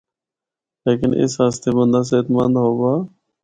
لیکن اس آسطے بندہ صحت مند ہوّا۔